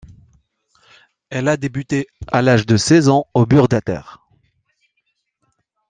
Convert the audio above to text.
Elle a débuté à l'âge de seize ans au Burgtheater.